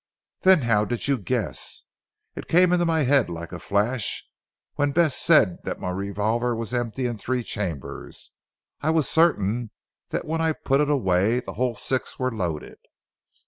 "Then how did you guess?" "It came into my head like a flash when Bess said that my revolver was empty in three chambers. I was certain that when I put it away the whole six were loaded.